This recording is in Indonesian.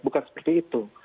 bukan seperti itu